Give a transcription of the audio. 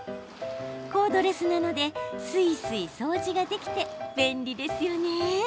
コードレスなのですいすい掃除ができて便利ですよね。